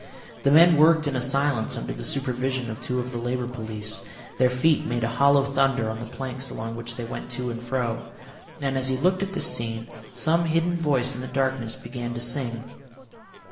The men worked in silence under the supervision of two of the Labour Police; their feet made a hollow thunder on the planks along which they went to and fro. And as he looked at this scene, some hidden voice in the darkness began to sing.